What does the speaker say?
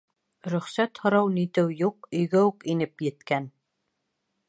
Рөхсәт һорау-нитеү юҡ, өйгә үк инеп еткән...